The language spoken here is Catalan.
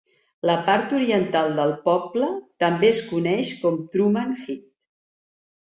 La part oriental del poble també es coneix com Trueman's Heath.